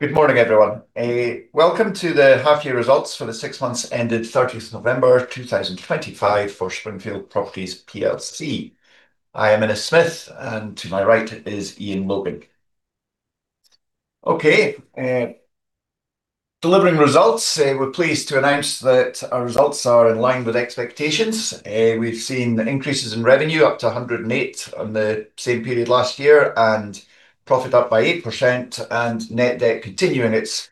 Good morning, everyone. Welcome to the half-year results for the six months ended 30 November 2025 for Springfield Properties. I am Innes Smith, and to my right is Iain Logan. Delivering results, we're pleased to announce that our results are in line with expectations. We've seen increases in revenue up to 108 million on the same period last year, and profit up by 8%, and net debt continuing its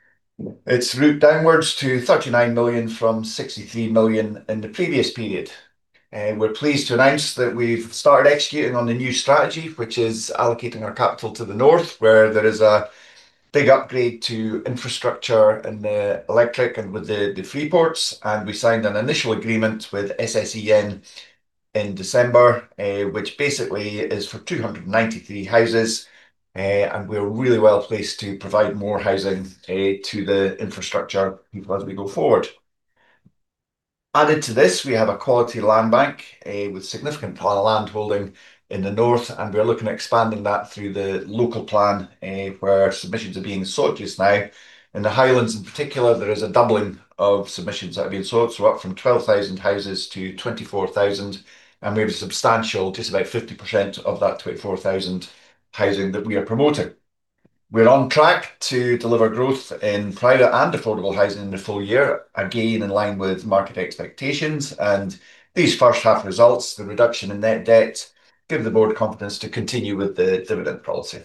route downwards to 39 million from 63 million in the previous period. We're pleased to announce that we've started executing on the new strategy, which is allocating our capital to the north, where there is a big upgrade to infrastructure and electric and with the freeports. We signed an initial agreement with SSEN in December, which basically is for 293 houses. We're really well placed to provide more housing to the infrastructure people as we go forward. Added to this, we have a quality land bank with significant land holding in the north, and we're looking at expanding that through the local plan, where submissions are being sought just now. In the Highlands, in particular, there is a doubling of submissions that have been sought, up from 12,000 houses to 24,000, and we have a substantial, just about 50% of that 24,000, housing that we are promoting. We're on track to deliver growth in private and affordable housing in the full year. Again, in line with market expectations and these first half results, the reduction in net debt gives the board confidence to continue with the dividend policy.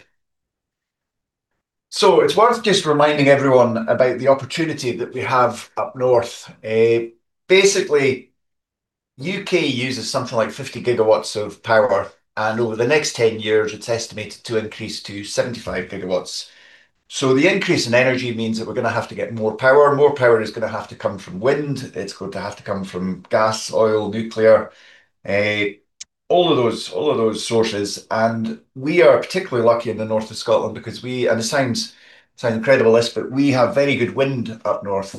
It's worth just reminding everyone about the opportunity that we have up north. Basically, the U.K. uses something like 50 gigawatts of power, and over the next 10 years, it's estimated to increase to 75 gigawatts. The increase in energy means that we're going to have to get more power. More power is going to have to come from wind, it's going to have to come from gas, oil, nuclear, all of those, all of those sources. We are particularly lucky in the north of Scotland because we... and this sounds, sounds incredible, this, but we have very good wind up north.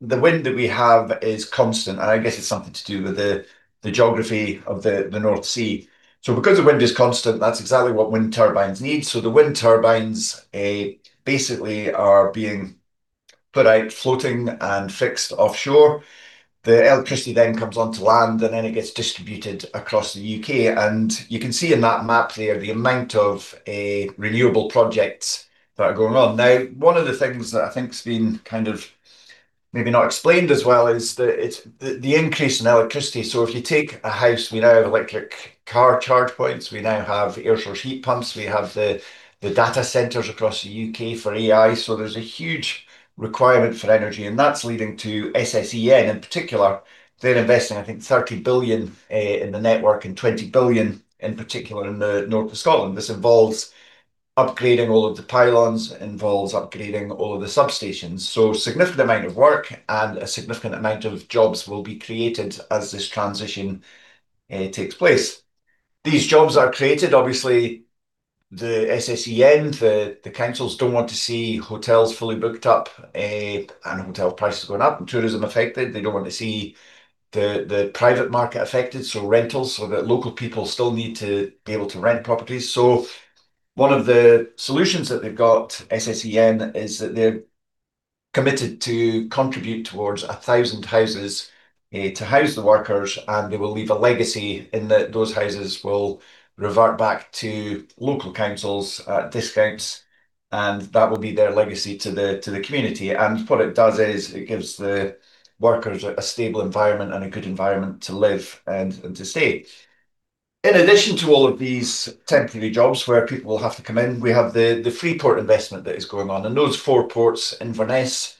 The wind that we have is constant, and I guess it's something to do with the geography of the North Sea. Because the wind is constant, that's exactly what wind turbines need. The wind turbines basically are being put out, floating and fixed offshore. The electricity then comes onto land, and then it gets distributed across the U.K. You can see in that map there the amount of renewable projects that are going on. Now, one of the things that I think's been kind of maybe not explained as well is the increase in electricity. If you take a house, we now have electric car charge points, we now have air source heat pumps, we have the data centers across the U.K. for AI. So there's a huge requirement for energy, and that's leading to SSEN, in particular. They're investing, I think, 30 billion in the network and 20 billion, in particular, in the north of Scotland. This involves upgrading all of the pylons, involves upgrading all of the substations. So a significant amount of work and a significant amount of jobs will be created as this transition takes place. These jobs are created, obviously, SSEN, the councils don't want to see hotels fully booked up and hotel prices going up and tourism affected. They don't want to see the private market affected, so rentals, so that local people still need to be able to rent properties. So one of the solutions that they've got, SSEN, is that they're committed to contribute towards 1,000 houses to house the workers, and they will leave a legacy in that those houses will revert back to local councils at discounts, and that will be their legacy to the community. And what it does is, it gives the workers a stable environment and a good environment to live and to stay. In addition to all of these temporary jobs where people will have to come in, we have the Freeport investment that is going on. And those four ports, Inverness,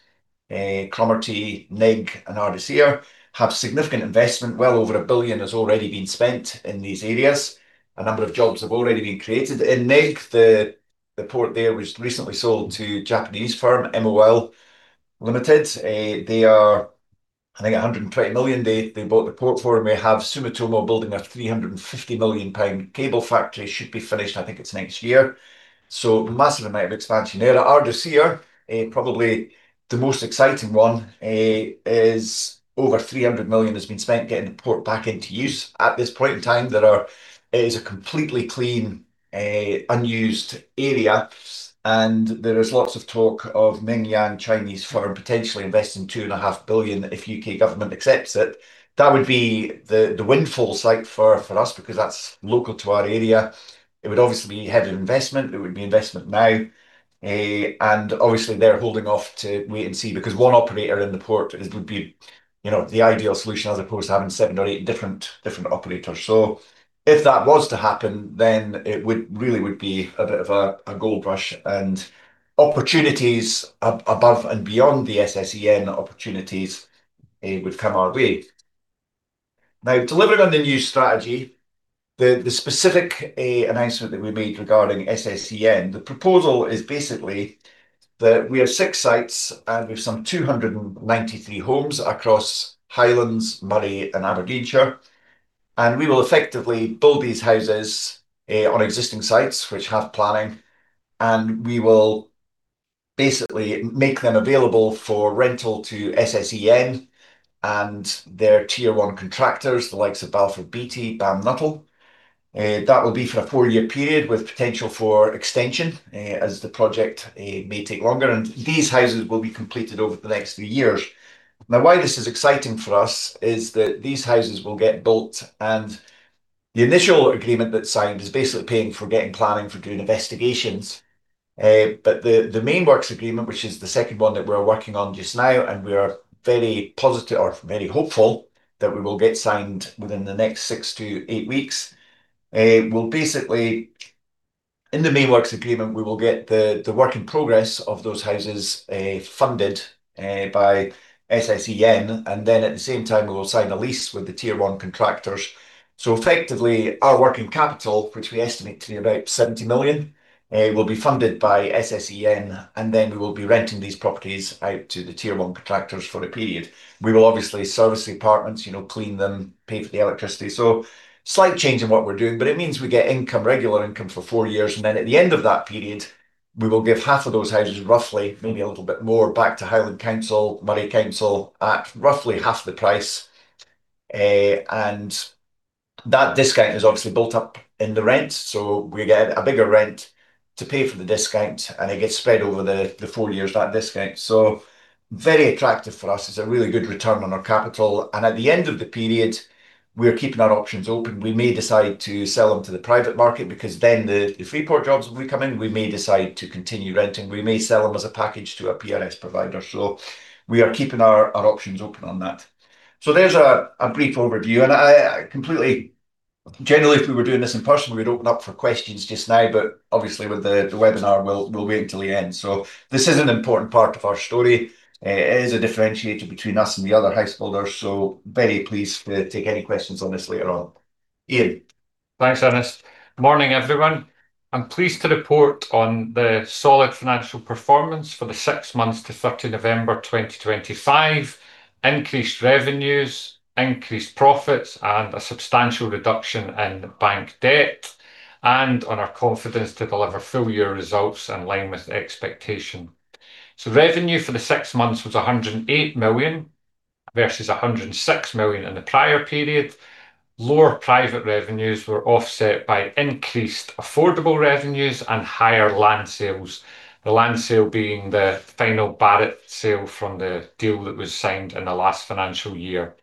Cromarty, Nigg, and Ardersier, have significant investment. Well over 1 billion has already been spent in these areas. A number of jobs have already been created. In Nigg, the port there was recently sold to Japanese firm, MOL Limited. They are, I think, 120 million, they bought the port for, and we have Sumitomo building a 350 million pound cable factory. Should be finished, I think it's next year. Massive amount of expansion there. At Ardersier, probably the most exciting one, is over 300 million has been spent getting the port back into use. At this point in time, there is a completely clean, unused area, and there is lots of talk of Mingyang, Chinese firm, potentially investing 2.5 billion, if U.K. government accepts it. That would be the windfall site for us, because that's local to our area. It would obviously be heavy investment. It would be investment now. Obviously, they're holding off to wait and see, because one operator in the port would be, you know, the ideal solution, as opposed to having seven or eight different operators. If that was to happen, then it really would be a bit of a gold rush, and opportunities above and beyond the SSEN opportunities would come our way. Now, delivering on the new strategy, the specific announcement that we made regarding SSEN, the proposal is basically that we have six sites, and we've some 293 homes across Highlands, Moray, and Aberdeenshire. We will effectively build these houses on existing sites which have planning, and we will basically make them available for rental to SSEN and their tier one contractors, the likes of Balfour Beatty, BAM Nuttall. That will be for a four-year period with potential for extension, as the project may take longer, and these houses will be completed over the next few years. Now, why this is exciting for us is that these houses will get built, and the initial agreement that's signed is basically paying for getting planning for doing investigations. The main works agreement, which is the second one that we're working on just now, and we are very positive or very hopeful that we will get signed within the next 6-8 weeks, will basically, in the main works agreement, we will get the work in progress of those houses funded by SSEN, and then at the same time, we will sign a lease with the tier one contractors. So effectively, our working capital, which we estimate to be about 70 million, will be funded by SSEN, and then we will be renting these properties out to the Tier 1 contractors for a period. We will obviously service the apartments, you know, clean them, pay for the electricity. So slight change in what we're doing, but it means we get income, regular income for four years, and then at the end of that period, we will give half of those houses, roughly, maybe a little bit more, back to Highland Council, Moray Council, at roughly half the price. And that discount is obviously built up in the rent, so we get a bigger rent to pay for the discount, and it gets spread over the, the four years, that discount. So very attractive for us. It's a really good return on our capital, and at the end of the period, we are keeping our options open. We may decide to sell them to the private market because then the Freeport jobs will be coming. We may decide to continue renting. We may sell them as a package to a PRS provider. So we are keeping our options open on that. So there's a brief overview, and... Generally, if we were doing this in person, we'd open up for questions just now, but obviously, with the webinar, we'll wait until the end. So this is an important part of our story. It is a differentiator between us and the other house builders, so very pleased to take any questions on this later on. Iain? Thanks, Innes. Morning, everyone. I'm pleased to report on the solid financial performance for the six months to 30 November, 2025. Increased revenues, increased profits, and a substantial reduction in bank debt, and on our confidence to deliver full-year results in line with expectation. Revenue for the six months was 108 million, versus 106 million in the prior period. Lower private revenues were offset by increased affordable revenues and higher land sales. The land sale being the final Barratt sale from the deal that was signed in the last financial year.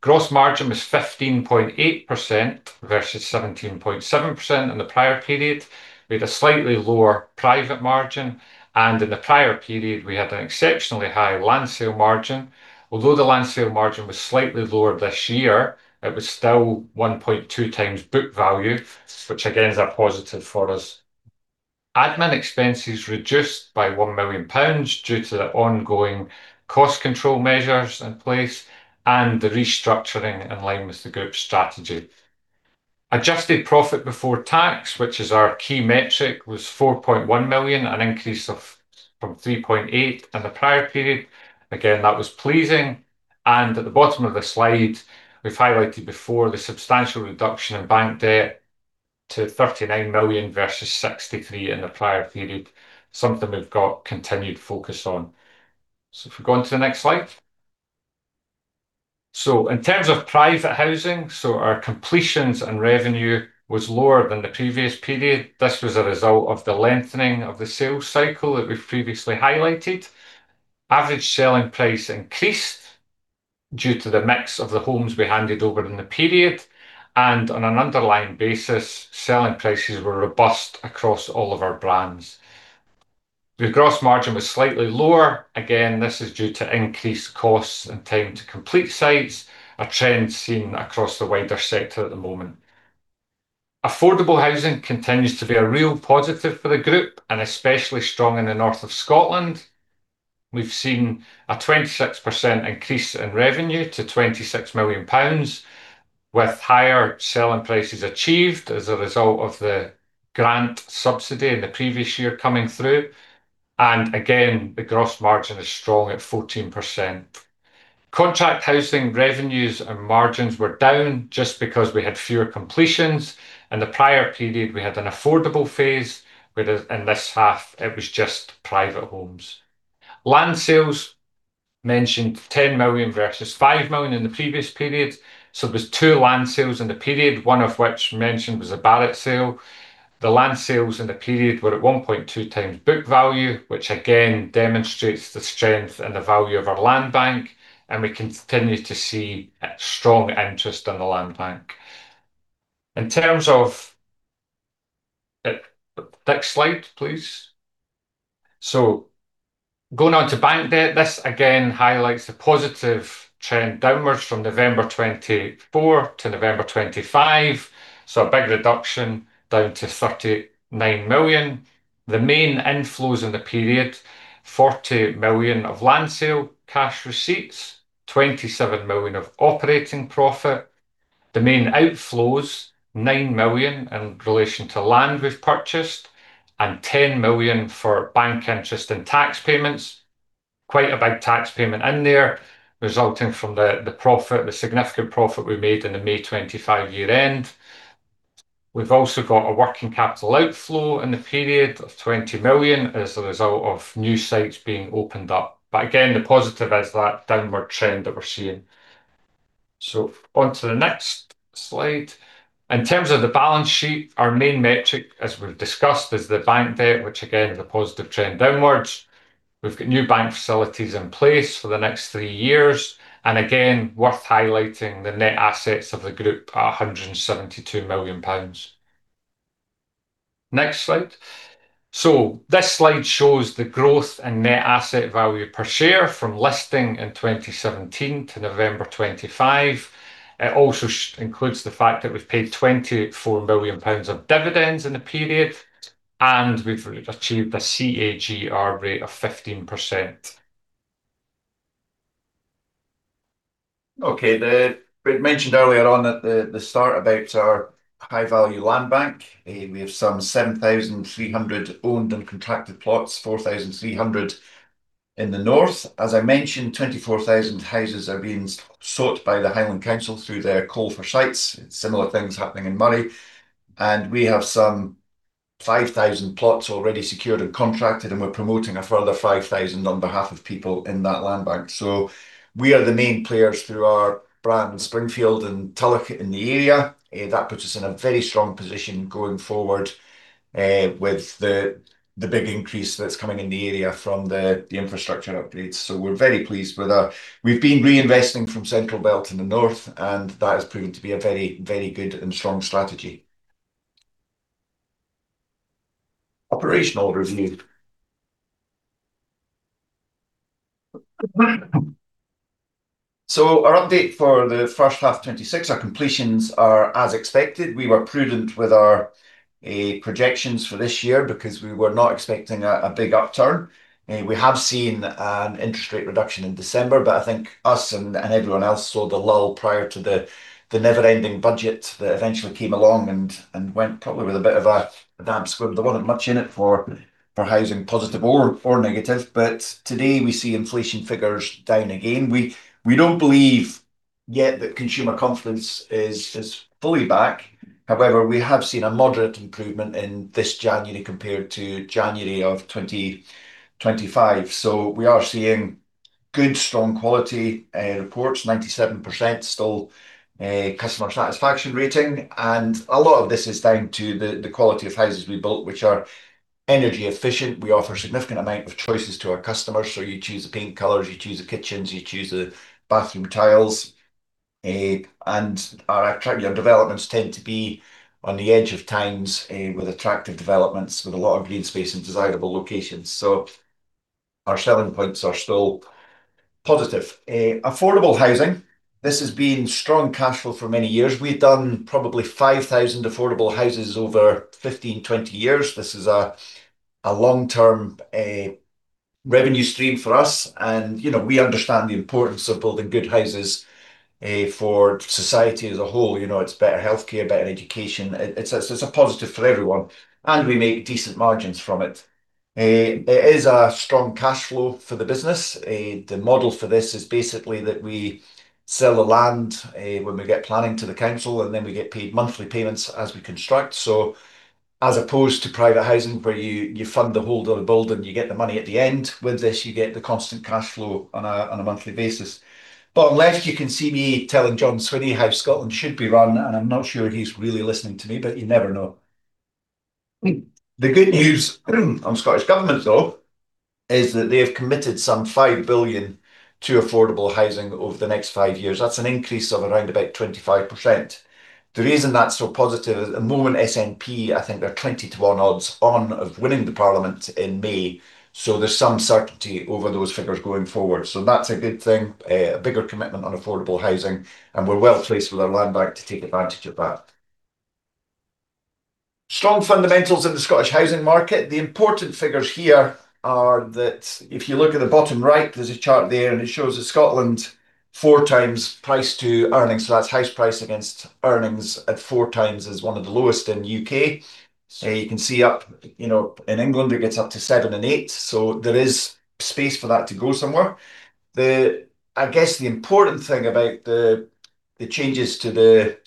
Gross margin was 15.8%, versus 17.7% in the prior period. We had a slightly lower private margin, and in the prior period, we had an exceptionally high land sale margin. Although the land sale margin was slightly lower this year, it was still 1.2 times book value, which again, is a positive for us. Admin expenses reduced by 1 million pounds due to the ongoing cost control measures in place and the restructuring in line with the group's strategy. Adjusted profit before tax, which is our key metric, was 4.1 million, an increase of from 3.8 in the prior period. Again, that was pleasing, and at the bottom of the slide, we've highlighted before the substantial reduction in bank debt to 39 million versus 63 million in the prior period, something we've got continued focus on. So if we go on to the next slide. So in terms of private housing, so our completions and revenue was lower than the previous period. This was a result of the lengthening of the sales cycle that we've previously highlighted. Average selling price increased due to the mix of the homes we handed over in the period, and on an underlying basis, selling prices were robust across all of our brands. The gross margin was slightly lower. Again, this is due to increased costs and time to complete sites, a trend seen across the wider sector at the moment. Affordable housing continues to be a real positive for the group, and especially strong in the north of Scotland. We've seen a 26% increase in revenue to 26 million pounds, with higher selling prices achieved as a result of the grant subsidy in the previous year coming through. And again, the gross margin is strong at 14%. Contract housing revenues and margins were down just because we had fewer completions. In the prior period, we had an affordable phase, whereas in this half, it was just private homes. Land sales mentioned 10 million versus 5 million in the previous period. There were two land sales in the period, one of which mentioned was a Barratt sale. The land sales in the period were at 1.2x book value, which again, demonstrates the strength and the value of our land bank, and we continue to see a strong interest in the land bank. In terms of next slide, please. Going on to bank debt, this again highlights the positive trend downwards from November 2024 to November 2025, a big reduction down to 39 million. The main inflows in the period, 40 million of land sale cash receipts, 27 million of operating profit. The main outflows, 9 million in relation to land we've purchased and 10 million for bank interest and tax payments. Quite a big tax payment in there, resulting from the significant profit we made in the May 2025 year end. ... We've also got a working capital outflow in the period of 20 million as a result of new sites being opened up. But again, the positive is that downward trend that we're seeing. So on to the next slide. In terms of the balance sheet, our main metric, as we've discussed, is the bank debt, which again, the positive trend downwards. We've got new bank facilities in place for the next three years, and again, worth highlighting the net assets of the group are 172 million pounds. Next slide. So this slide shows the growth and net asset value per share from listing in 2017 to November 2025. It also includes the fact that we've paid 24 million pounds of dividends in the period, and we've achieved a CAGR rate of 15%. Okay, we mentioned earlier on at the start about our high-value land bank. We have some 7,300 owned and contracted plots, 4,300 in the north. As I mentioned, 24,000 houses are being sought by the Highland Council through their call for sites. Similar things happening in Moray, and we have some 5,000 plots already secured and contracted, and we're promoting a further 5,000 on behalf of people in that land bank. So we are the main players through our brand, Springfield and Tulloch, in the area. That puts us in a very strong position going forward, with the big increase that's coming in the area from the infrastructure upgrades. So we're very pleased with that. We've been reinvesting from Central Belt in the north, and that has proven to be a very, very good and strong strategy. Operational review. So our update for the first half of 2026, our completions are as expected. We were prudent with our projections for this year because we were not expecting a big upturn. We have seen an interest rate reduction in December, but I think us and everyone else saw the lull prior to the never-ending budget that eventually came along and went probably with a bit of a damp squib. There wasn't much in it for housing, positive or negative, but today we see inflation figures down again. We don't believe yet that consumer confidence is fully back. However, we have seen a moderate improvement in this January compared to January of 2025. So we are seeing good, strong quality reports, 97% still customer satisfaction rating, and a lot of this is down to the quality of houses we built, which are energy efficient. We offer a significant amount of choices to our customers. So you choose the paint colors, you choose the kitchens, you choose the bathroom tiles, and our attractive developments tend to be on the edge of towns with attractive developments, with a lot of green space and desirable locations. So our selling points are still positive. Affordable housing, this has been strong cash flow for many years. We've done probably 5,000 affordable houses over 15-20 years. This is a long-term revenue stream for us, and, you know, we understand the importance of building good houses for society as a whole. You know, it's better healthcare, better education. It's a positive for everyone, and we make decent margins from it. It is a strong cash flow for the business. The model for this is basically that we sell the land when we get planning to the council, and then we get paid monthly payments as we construct. So as opposed to private housing, where you fund the whole of the build, and you get the money at the end, with this, you get the constant cash flow on a monthly basis. Bottom left, you can see me telling John Swinney how Scotland should be run, and I'm not sure he's really listening to me, but you never know. The good news on Scottish Government, though, is that they have committed some 5 billion to affordable housing over the next 5 years. That's an increase of around about 25%. The reason that's so positive, at the moment, SNP, I think they're 20-to-1 odds on of winning the parliament in May, so there's some certainty over those figures going forward. So that's a good thing, a bigger commitment on affordable housing, and we're well placed with our land bank to take advantage of that. Strong fundamentals in the Scottish housing market. The important figures here are that if you look at the bottom right, there's a chart there, and it shows that Scotland 4 times price to earnings, so that's house price against earnings at 4 times is one of the lowest in the UK. So you can see up, you know, in England, it gets up to 7 and 8, so there is space for that to go somewhere. The... I guess the important thing about the changes to the,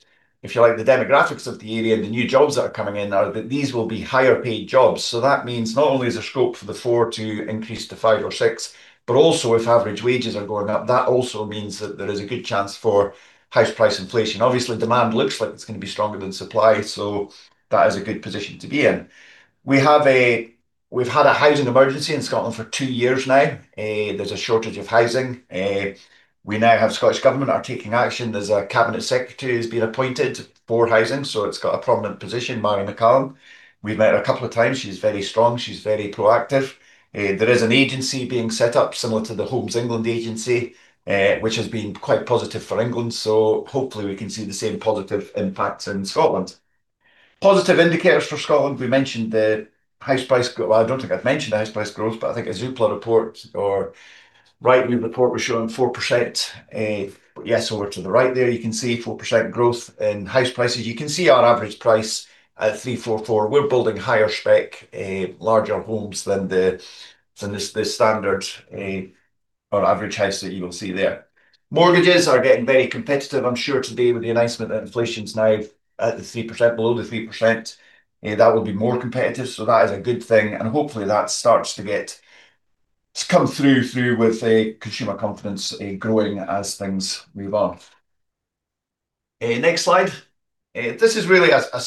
if you like, the demographics of the area and the new jobs that are coming in, are that these will be higher-paid jobs. So that means not only is there scope for the 4 to increase to 5 or 6, but also, if average wages are going up, that also means that there is a good chance for house price inflation. Obviously, demand looks like it's going to be stronger than supply, so that is a good position to be in. We've had a housing emergency in Scotland for 2 years now. There's a shortage of housing. We now have the Scottish Government taking action. There's a Cabinet Secretary who's been appointed for housing, so it's got a prominent position, Mairi McAllan. We've met her a couple of times. She's very strong. She's very proactive. There is an agency being set up similar to Homes England, which has been quite positive for England, so hopefully, we can see the same positive impacts in Scotland. Positive indicators for Scotland. I don't think I've mentioned the house price growth, but I think a Zoopla report or Rightmove report was showing 4%. Yes, over to the right there, you can see 4% growth in house prices. You can see our average price at 344,000. We're building higher spec, larger homes than the standard or average house that you will see there. Mortgages are getting very competitive, I'm sure today with the announcement that inflation's now at the 3%, below the 3%, that will be more competitive. So that is a good thing, and hopefully that starts to come through with consumer confidence growing as things move on. Next slide. This is really a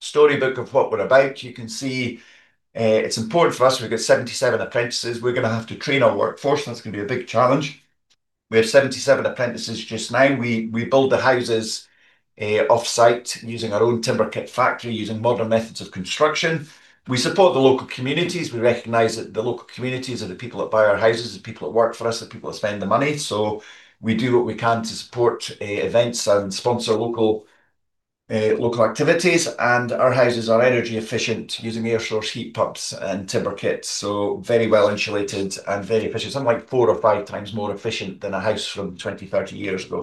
storybook of what we're about. You can see, it's important for us. We've got 77 apprentices. We're going to have to train our workforce, and that's going to be a big challenge. We have 77 apprentices just now. We build the houses off-site using our own timber kit factory, using modern methods of construction. We support the local communities. We recognize that the local communities are the people that buy our houses, the people that work for us, the people that spend the money, so we do what we can to support events and sponsor local activities. Our houses are energy efficient, using air source heat pumps and timber kits, so very well-insulated and very efficient. Something like four or five times more efficient than a house from 20, 30 years ago.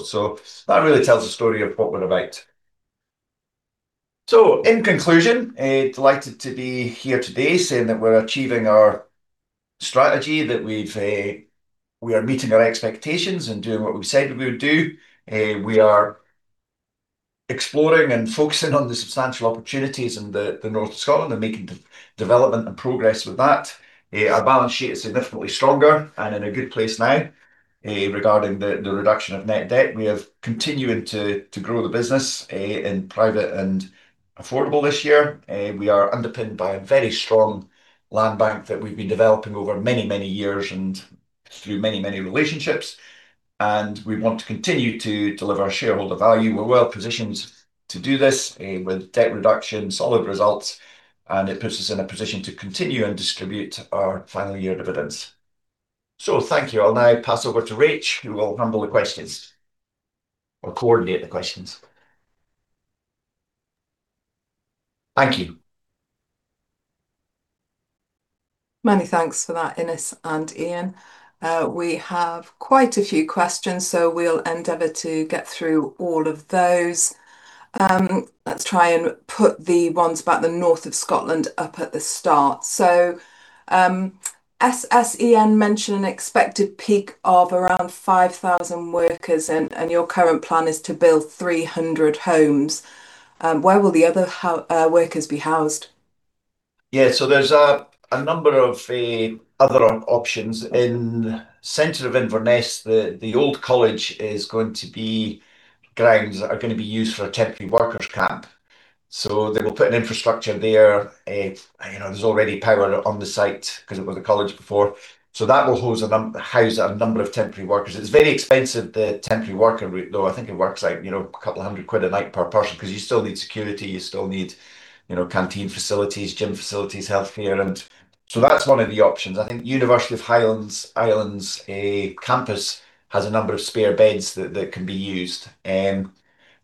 That really tells the story of what we're about. In conclusion, delighted to be here today saying that we're achieving our strategy, that we've, we are meeting our expectations and doing what we've said we would do. We are exploring and focusing on the substantial opportunities in the north of Scotland and making development and progress with that. Our balance sheet is significantly stronger and in a good place now, regarding the reduction of net debt. We are continuing to grow the business, in private and affordable this year. We are underpinned by a very strong land bank that we've been developing over many, many years and through many, many relationships, and we want to continue to deliver shareholder value. We're well positioned to do this, with debt reduction, solid results, and it puts us in a position to continue and distribute our final year dividends. So thank you. I'll now pass over to Rach, who will handle the questions or coordinate the questions. Thank you. Many thanks for that, Innes and Iain. We have quite a few questions, so we'll endeavor to get through all of those. Let's try and put the ones about the north of Scotland up at the start. So, SSEN mentioned an expected peak of around 5,000 workers, and your current plan is to build 300 homes. Where will the other workers be housed? Yeah. There's a number of other options. In the center of Inverness, the old college grounds are going to be used for a temporary workers camp. They will put infrastructure there. You know, there's already power on the site because it was a college before. That will house a number of temporary workers. It's very expensive, the temporary worker route, though. I think it works out, you know, a couple of hundred GBP a night per person, because you still need security, you still need, you know, canteen facilities, gym facilities, healthcare. That's one of the options. I think University of the Highlands and Islands campus has a number of spare beds that can be used.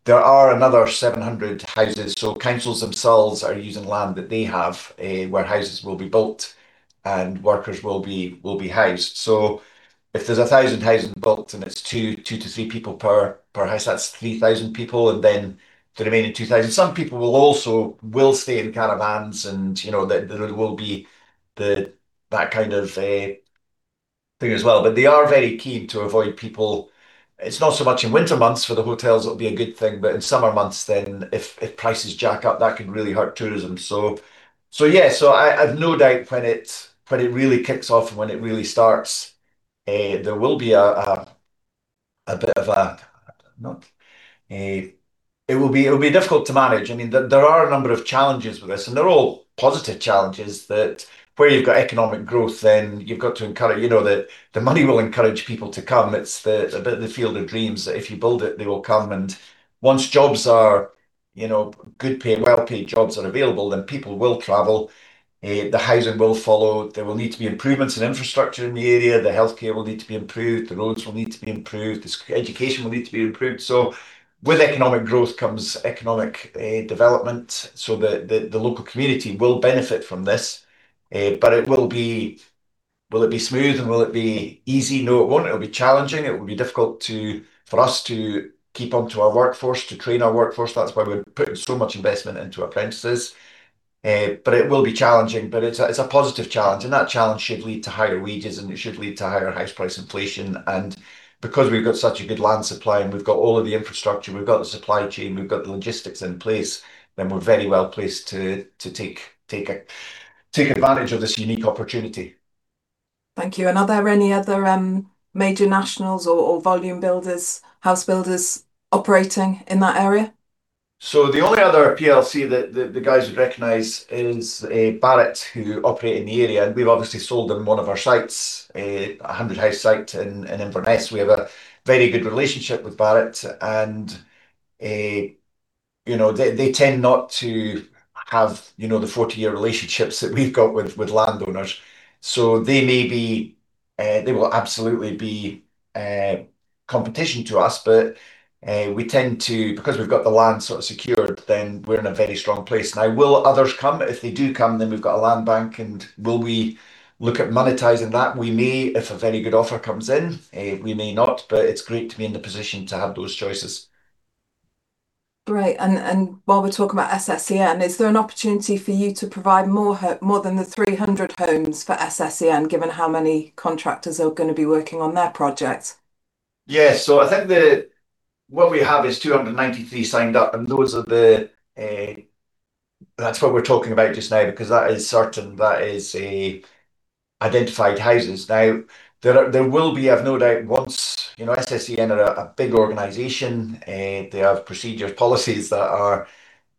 There are another 700 houses, so councils themselves are using land that they have, where houses will be built and workers will be housed. So if there's 1,000 houses built and it's two to three people per house, that's 3,000 people, and then the remaining 2,000. Some people will also stay in caravans and, you know, there will be that kind of thing as well. But they are very keen to avoid people... It's not so much in winter months, for the hotels it will be a good thing, but in summer months, then if prices jack up, that could really hurt tourism. So yeah. So I have no doubt when it really kicks off and when it really starts, there will be a bit of a, not... It will be difficult to manage. I mean, there are a number of challenges with this, and they're all positive challenges that where you've got economic growth, then you've got to encourage, you know, the money will encourage people to come. It's a bit of the field of dreams, that if you build it, they will come. And once jobs are, you know, good paying, well-paid jobs are available, then people will travel, the housing will follow. There will need to be improvements in infrastructure in the area. The healthcare will need to be improved. The roads will need to be improved. The education will need to be improved. So with economic growth comes economic development, so the local community will benefit from this. But will it be smooth, and will it be easy? No, it won't. It'll be challenging. It will be difficult to, for us to keep onto our workforce, to train our workforce. That's why we're putting so much investment into apprentices. But it will be challenging. But it's a positive challenge, and that challenge should lead to higher wages, and it should lead to higher house price inflation. And because we've got such a good land supply, and we've got all of the infrastructure, we've got the supply chain, we've got the logistics in place, then we're very well placed to take advantage of this unique opportunity. Thank you. And are there any other major nationals or volume builders, house builders operating in that area? The only other PLC that the guys would recognize is Barratt, who operate in the area. We've obviously sold them one of our sites, a 100-house site in Inverness. We have a very good relationship with Barratt, and, you know, they tend not to have, you know, the 40-year relationships that we've got with landowners. They will absolutely be competition to us, but we tend to, because we've got the land sort of secured, then we're in a very strong place. Now, will others come? If they do come, then we've got a land bank. Will we look at monetizing that? We may, if a very good offer comes in, we may not, but it's great to be in the position to have those choices.... Great. And, and while we're talking about SSEN, is there an opportunity for you to provide more than the 300 homes for SSEN, given how many contractors are gonna be working on their project? Yes. I think what we have is 293 signed up, and those are the, that's what we're talking about just now, because that is certain, that is identified houses. Now, there will be, I've no doubt, once, you know, SSEN are a big organization, they have procedures, policies that are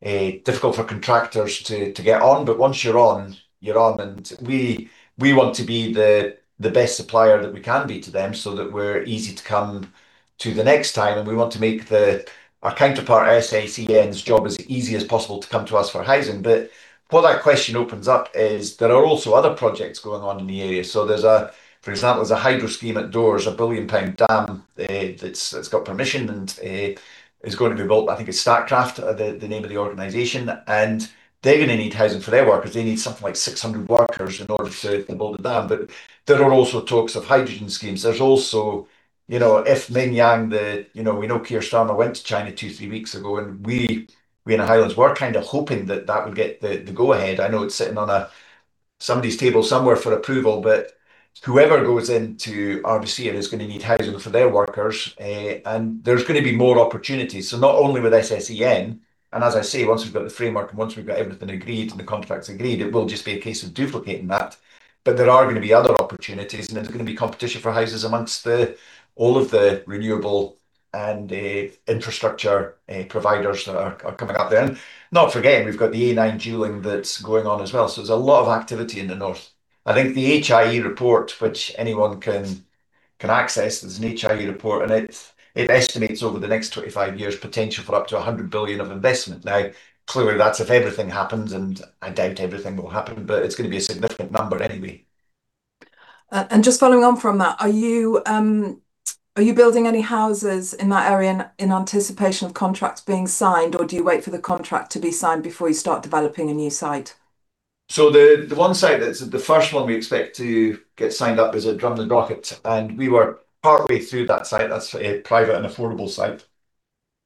difficult for contractors to get on. Once you're on, you're on, and we want to be the best supplier that we can be to them so that we're easy to come to the next time. We want to make our counterpart, SSEN's job as easy as possible to come to us for housing. What that question opens up is there are also other projects going on in the area. For example, there's a hydro scheme at Dores, a 1 billion pound dam, that's got permission and is going to be built. I think it's Statkraft, the name of the organization, and they're gonna need housing for their workers. They need something like 600 workers in order to build the dam. There are also talks of hydrogen schemes. There's also, you know, if Mingyang, the... You know, we know Keir Starmer went to China two, three weeks ago, and we in the Highlands were kind of hoping that that would get the go-ahead. I know it's sitting on somebody's table somewhere for approval, but whoever goes into RBCR is gonna need housing for their workers, and there's gonna be more opportunities. Not only with SSEN, and as I say, once we've got the framework, and once we've got everything agreed and the contracts agreed, it will just be a case of duplicating that. There are gonna be other opportunities, and there's gonna be competition for houses amongst the, all of the renewable and, infrastructure, providers that are coming up there. Not forgetting, we've got the A9 dualling that's going on as well. There's a lot of activity in the north. I think the HIE report, which anyone can, can access, there's an HIE report, and it estimates over the next 25 years, potential for up to 100 billion of investment. Now, clearly, that's if everything happens, and I doubt everything will happen, but it's gonna be a significant number anyway. Just following on from that, are you building any houses in that area in anticipation of contracts being signed, or do you wait for the contract to be signed before you start developing a new site? So the one site that's the first one we expect to get signed up is at Drumnadrochit, and we were partly through that site. That's a private and affordable site,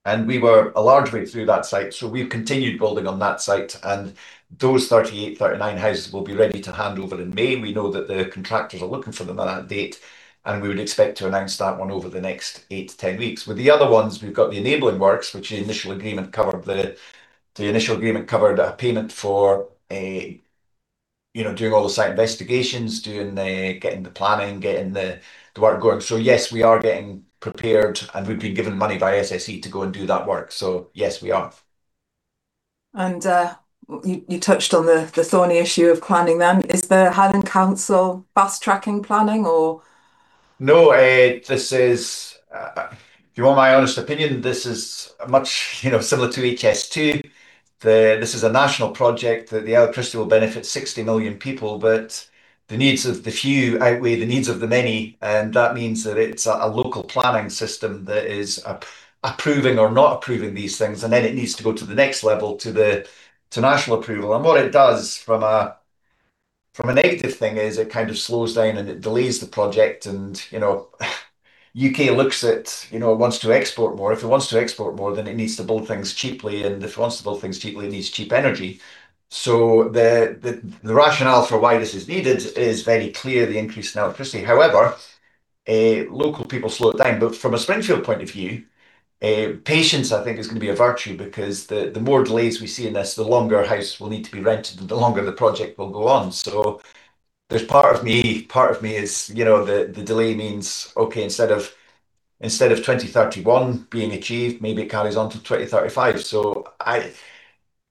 and we were a large way through that site, so we've continued building on that site. And those 38-39 houses will be ready to hand over in May. We know that the contractors are looking for them on that date, and we would expect to announce that one over the next 8-10 weeks. With the other ones, we've got the enabling works, which the initial agreement covered the. The initial agreement covered a payment for a, you know, doing all the site investigations, getting the planning, getting the work going. So yes, we are getting prepared, and we've been given money by SSE to go and do that work, so yes, we are. You touched on the thorny issue of planning then. Is the Highland Council fast-tracking planning or? No, this is, if you want my honest opinion, this is much, you know, similar to HS2. This is a national project, that the electricity will benefit 60 million people, but the needs of the few outweigh the needs of the many, and that means that it's a local planning system that is approving or not approving these things, and then it needs to go to the next level, to national approval. And what it does from a negative thing is it kind of slows down, and it delays the project. And, you know, UK looks at, you know, it wants to export more. If it wants to export more, then it needs to build things cheaply, and if it wants to build things cheaply, it needs cheap energy. So the rationale for why this is needed is very clear, the increase in electricity. However, local people slow it down. But from a Springfield point of view, patience, I think, is gonna be a virtue because the more delays we see in this, the longer houses will need to be rented, and the longer the project will go on. So there's part of me, part of me is, you know, the delay means, okay, instead of 2031 being achieved, maybe it carries on to 2035.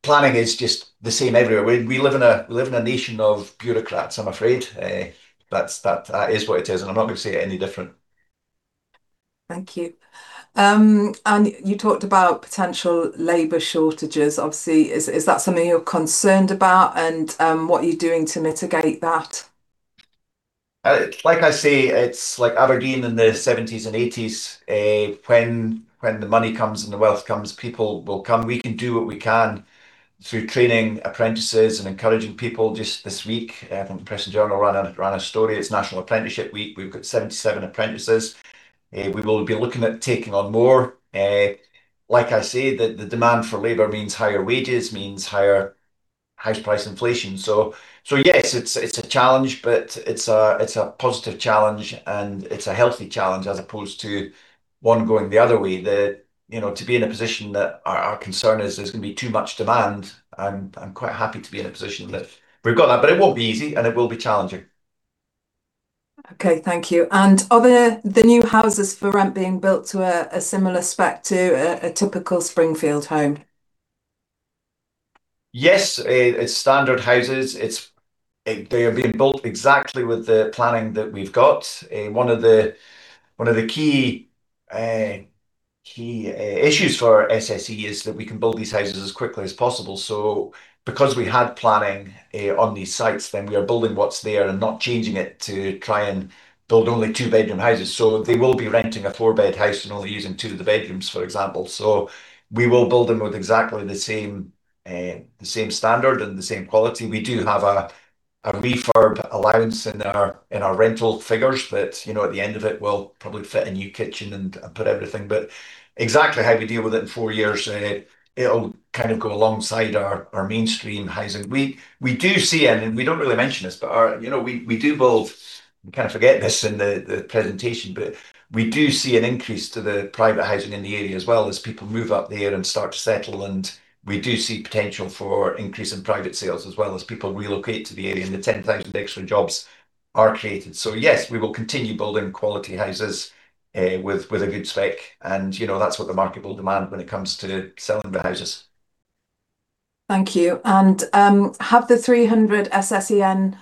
Planning is just the same everywhere. We live in a nation of bureaucrats, I'm afraid. That's what it is, and I'm not gonna say it any different. Thank you. And you talked about potential labor shortages, obviously. Is that something you're concerned about? And, what are you doing to mitigate that? Like I say, it's like Aberdeen in the seventies and eighties, when, when the money comes and the wealth comes, people will come. We can do what we can through training apprentices and encouraging people. Just this week, from the Press and Journal ran a, ran a story, it's National Apprenticeship Week. We've got 77 apprentices. We will be looking at taking on more. Like I say, the, the demand for labor means higher wages, means higher house price inflation. So, so yes, it's, it's a challenge, but it's a, it's a positive challenge, and it's a healthy challenge, as opposed to one going the other way. You know, to be in a position that our concern is there's gonna be too much demand. I'm quite happy to be in a position that we've got that, but it won't be easy, and it will be challenging. Okay, thank you. And are the new houses for rent being built to a similar spec to a typical Springfield home? Yes. It's standard houses. It's, they are being built exactly with the planning that we've got. One of the key issues for SSE is that we can build these houses as quickly as possible. So because we had planning on these sites, then we are building what's there and not changing it to try and build only two-bedroom houses. So they will be renting a four-bed house and only using two of the bedrooms, for example. So we will build them with exactly the same, the same standard and the same quality. We do have a refurb allowance in our rental figures that, you know, at the end of it, we'll probably fit a new kitchen and put everything. Exactly how we deal with it in four years, it'll kind of go alongside our mainstream housing. We do see, and we don't really mention this, but our, you know, we do build—we kind of forget this in the presentation, but we do see an increase to the private housing in the area as well as people move up there and start to settle, and we do see potential for increase in private sales as well as people relocate to the area and the 10,000 extra jobs are created. Yes, we will continue building quality houses, with a good spec, and, you know, that's what the market will demand when it comes to selling the houses. Thank you. Have the 300 SSEN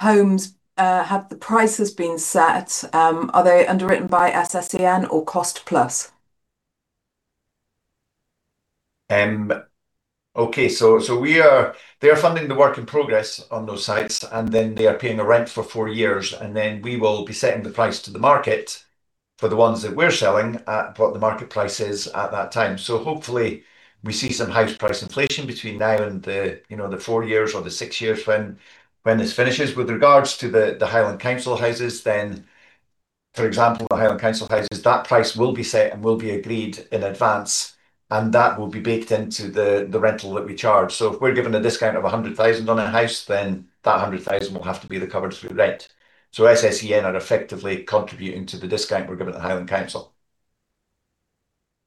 homes, have the prices been set? Are they underwritten by SSEN or cost plus? Okay, so they are funding the work in progress on those sites, and then they are paying a rent for four years, and then we will be setting the price to the market for the ones that we're selling at what the market price is at that time. So hopefully we see some house price inflation between now and the, you know, the four years or the six years when this finishes. With regards to the Highland Council houses, then, for example, the Highland Council houses, that price will be set and will be agreed in advance, and that will be baked into the rental that we charge. So if we're given a discount of 100,000 on a house, then that 100,000 will have to be recovered through rent. So SSEN are effectively contributing to the discount we're giving to the Highland Council.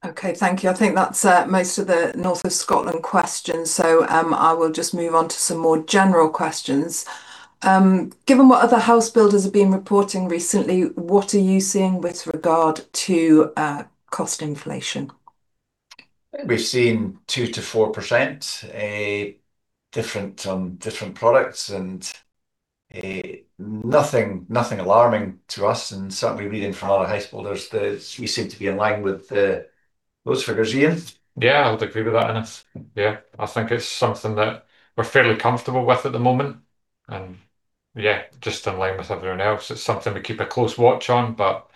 Okay, thank you. I think that's most of the north of Scotland questions, so I will just move on to some more general questions. Given what other house builders have been reporting recently, what are you seeing with regard to cost inflation? We've seen 2%-4%, different on different products, and, nothing, nothing alarming to us, and certainly reading from other house builders, that we seem to be in line with, those figures. Ian? Yeah, I would agree with that, Innes. Yeah, I think it's something that we're fairly comfortable with at the moment, and yeah, just in line with everyone else. It's something we keep a close watch on, but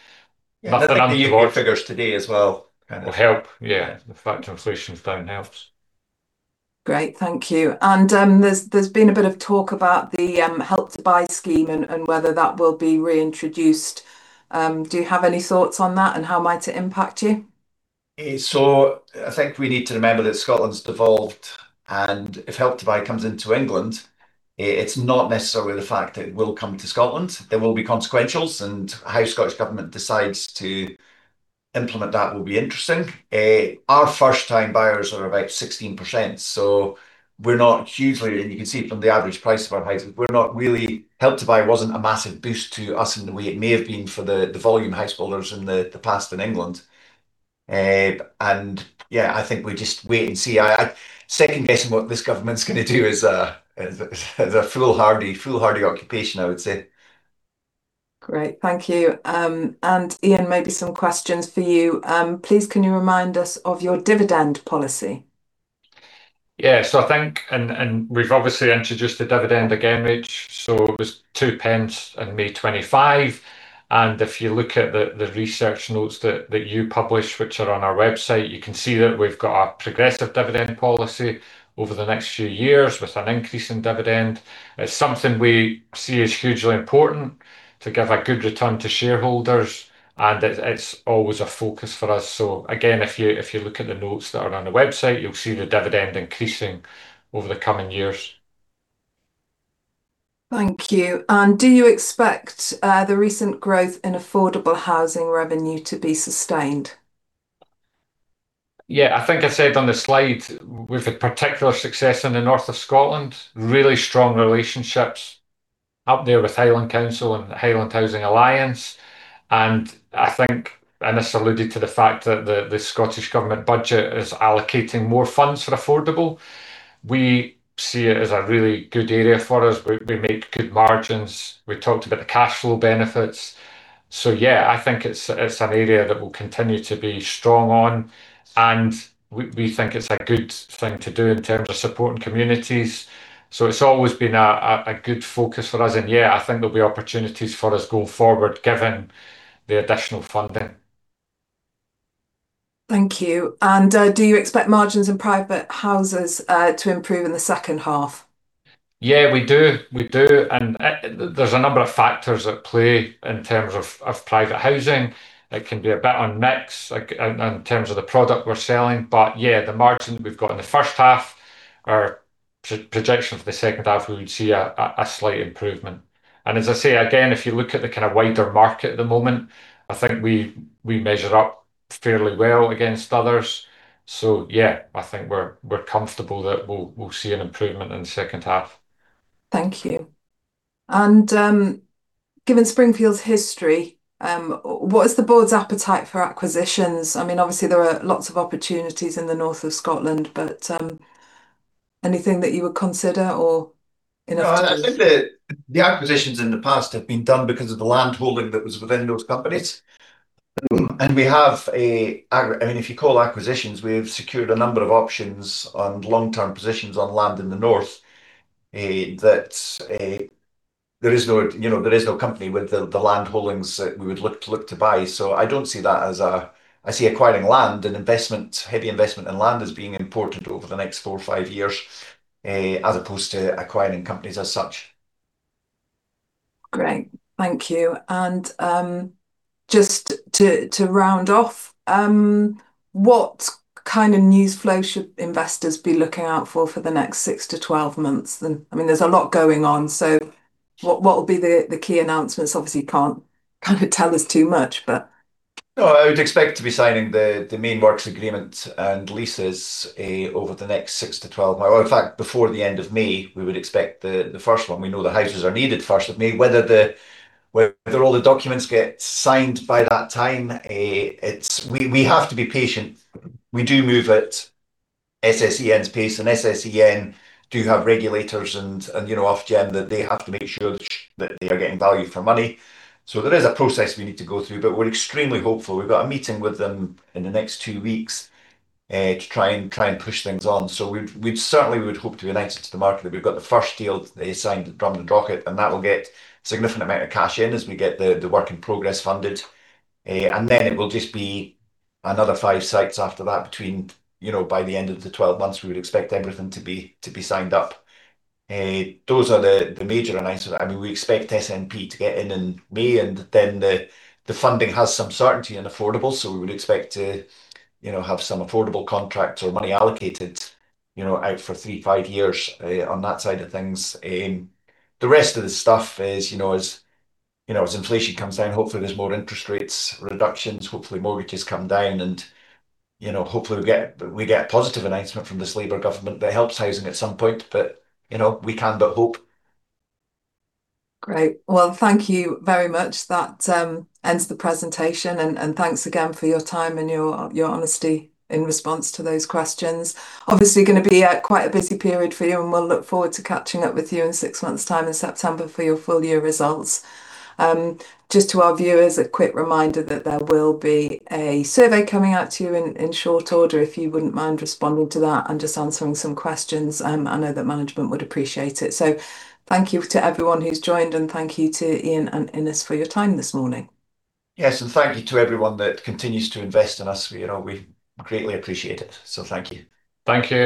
nothing untoward. The figures today as well. Will help, yeah. The fact inflation's down helps. Great, thank you. There's been a bit of talk about the Help to Buy scheme and whether that will be reintroduced. Do you have any thoughts on that, and how might it impact you? So I think we need to remember that Scotland's devolved, and if Help to Buy comes into England, it's not necessarily the fact that it will come to Scotland. There will be consequentials, and how Scottish Government decides to implement that will be interesting. Our first-time buyers are about 16%, so we're not hugely. And you can see from the average price of our houses, we're not really; Help to Buy wasn't a massive boost to us in the way it may have been for the volume house builders in the past in England. And yeah, I think we just wait and see. Second guessing what this government's gonna do is a foolhardy occupation, I would say. Great, thank you. Ian, maybe some questions for you. Please, can you remind us of your dividend policy? Yeah, so I think, we've obviously introduced the dividend again, Rach. So it was 0.02 in May 2025, and if you look at the, the research notes that, that you published, which are on our website, you can see that we've got a progressive dividend policy over the next few years with an increase in dividend. It's something we see as hugely important to give a good return to shareholders, and it, it's always a focus for us. So again, if you, if you look at the notes that are on the website, you'll see the dividend increasing over the coming years. Thank you. Do you expect the recent growth in affordable housing revenue to be sustained? Yeah, I think I said on the slide, we've had particular success in the north of Scotland. Really strong relationships up there with Highland Council and Highland Housing Alliance, and I think this alluded to the fact that the Scottish government budget is allocating more funds for affordable. We see it as a really good area for us. We make good margins. We talked about the cash flow benefits. So yeah, I think it's an area that we'll continue to be strong on, and we think it's a good thing to do in terms of supporting communities. So it's always been a good focus for us. And yeah, I think there'll be opportunities for us going forward, given the additional funding. Thank you. And, do you expect margins in private houses to improve in the second half? Yeah, we do. We do, and there's a number of factors at play in terms of private housing. It can be a bit of a mix, like, in terms of the product we're selling. But yeah, the margin we've got in the first half, our projection for the second half, we would see a slight improvement. And as I say, again, if you look at the kind of wider market at the moment, I think we measure up fairly well against others. So yeah, I think we're comfortable that we'll see an improvement in the second half. Thank you. Given Springfield's history, what is the board's appetite for acquisitions? I mean, obviously there are lots of opportunities in the north of Scotland, but anything that you would consider or interested in? I think the acquisitions in the past have been done because of the landholding that was within those companies. And we have a—I mean, if you call acquisitions, we've secured a number of options and long-term positions on land in the north, that there is no, you know, there is no company with the, the land holdings that we would look to, look to buy. So I don't see that as a, I see acquiring land, an investment, heavy investment in land as being important over the next four or five years, as opposed to acquiring companies as such. Great. Thank you. And just to round off, what kind of news flow should investors be looking out for, for the next 6-12 months? Then, I mean, there's a lot going on, so what will be the key announcements? Obviously, you can't kind of tell us too much, but. No, I would expect to be signing the main works agreement and leases over the next 6 to 12 months, or in fact, before the end of May, we would expect the first one. We know the houses are needed first of May, whether all the documents get signed by that time, we have to be patient. We do move at SSEN's pace, and SSEN do have regulators and, you know, Ofgem, that they have to make sure that they are getting value for money. There is a process we need to go through, but we're extremely hopeful. We've got a meeting with them in the next 2 weeks to try and try and push things on. So we'd certainly would hope to announce it to the market that we've got the first deal signed at Drumnadrochit, and that will get significant amount of cash in as we get the work in progress funded. And then it will just be another 5 sites after that between, you know, by the end of the 12 months, we would expect everything to be signed up. Those are the major announcements. I mean, we expect SNP to get in in May, and then the funding has some certainty and affordable, so we would expect to, you know, have some affordable contracts or money allocated, you know, out for 3-5 years, on that side of things. The rest of the stuff is, you know, as you know, as inflation comes down, hopefully there's more interest rates reductions, hopefully mortgages come down and, you know, hopefully we get a positive announcement from this Labour government that helps housing at some point, but, you know, we can but hope. Great. Well, thank you very much. That ends the presentation, and thank you again for your time and your honesty in response to those questions. Obviously, going to be quite a busy period for you, and we look forward to catching up with you in six months' time, in September, for your full year results. Just to our viewers, a quick reminder that there will be a survey coming out to you in short order, if you wouldn't mind responding to that and just answering some questions. I know that management would appreciate it. Thank you to everyone who's joined, and thank you to Iain and Innes for your time this morning. Yes, and thank you to everyone that continues to invest in us. We, you know, we greatly appreciate it, so thank you. Thank you.